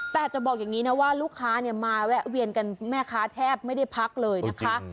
แต่ที่จะบอกงี้นะว่าลูกค้าเนี่ยเม้ววิ่งกันแม่คะแทบไม่ได้พักเลยนะคะ